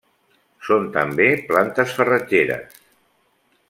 Són també plantes farratgeres.